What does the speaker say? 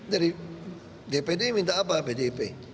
dari dpd minta apa pdp